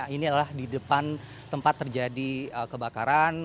ini adalah di depan tempat terjadi kebakaran